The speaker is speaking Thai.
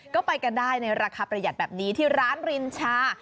ก็ไปกันได้ในราคาประหยัดแบบนี้ที่ร้านรินชา